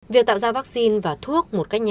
việc tạo ra vaccine và thuốc một cách nhìn